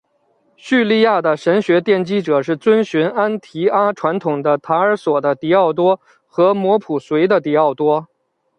叙利亚的神学奠基者是遵循安提阿传统的塔尔索的狄奥多和摩普绥的狄奥多。